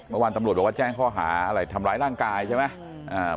ตำรวจบอกว่าแจ้งข้อหาอะไรทำร้ายร่างกายใช่ไหม